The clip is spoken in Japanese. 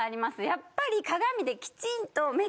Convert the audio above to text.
やっぱり。